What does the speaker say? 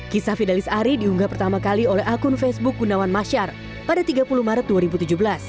kisah fidalis ari diunggah pertama kali oleh akun facebook gunawan masyar pada tiga puluh maret dua ribu tujuh belas